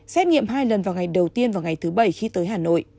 xét nghiệm hai lần vào ngày đầu tiên và ngày thứ bảy khi tới hà nội